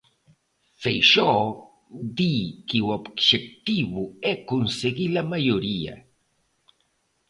Feijóo di que o obxectivo é conseguir a maioría.